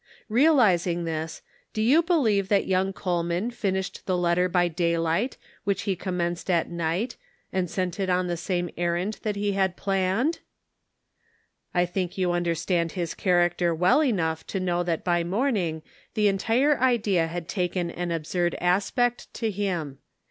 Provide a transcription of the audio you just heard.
Realizing this, do you believe that young Coleman finished the letter by day light which he commenced at night, and sent it 203 204 The Pocket Measure. on the same errand that he had planned? I think you understand his character well enough to know that by morning the en tire idea had taken an absurd aspect to him.